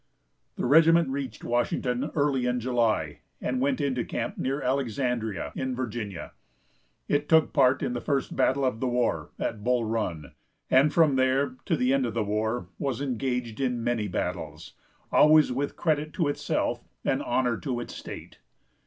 The regiment reached Washington early in July, and went into camp near Alexandria, in Virginia. It took part in the first battle of the war, at Bull Run, and from there to the end of the war was engaged in many battles, always with credit to itself and honor to its state.